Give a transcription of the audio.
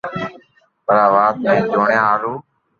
پر آ وات ني جوڻيا ھارون